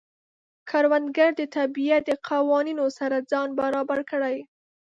کروندګر د طبیعت د قوانینو سره ځان برابر کړي